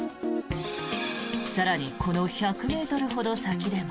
更にこの１００ｍほど先でも。